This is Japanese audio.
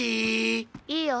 いいよ。